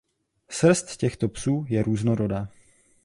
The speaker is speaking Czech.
Srst těchto psů je různorodá.